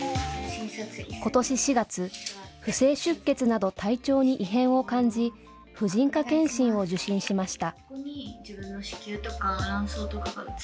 ことし４月、不正出血など体調に異変を感じ婦人科検診を受診しました。